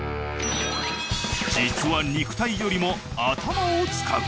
実は肉体よりも頭を使う。